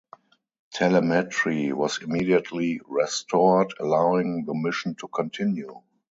Telemetry was immediately restored, allowing the mission to continue.